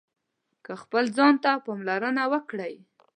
که خپل ځان ته پاملرنه وکړئ